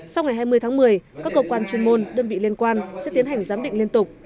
sau ngày hai mươi tháng một mươi các cơ quan chuyên môn đơn vị liên quan sẽ tiến hành giám định liên tục